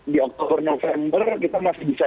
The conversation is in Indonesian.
di oktober november kita masih bisa